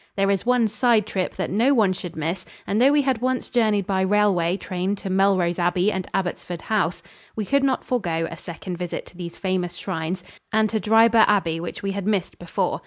There is one side trip that no one should miss, and though we had once journeyed by railway train to Melrose Abbey and Abbottsford House, we could not forego a second visit to these famous shrines and to Dryburgh Abbey, which we had missed before.